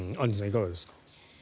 いかがですか？